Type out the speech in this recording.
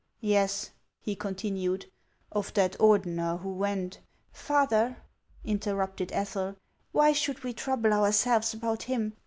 " Yes," he continued, " of that Ordener who went — "Father," interrupted Ethel, "why should we trouble ourselves about him